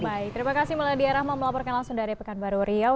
baik terima kasih mbak lady arahma melaporkan langsung dari pekan baru riau